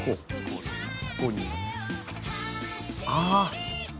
ああ！